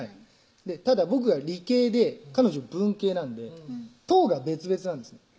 ただ僕が理系で彼女文系なんで棟が別々なんですね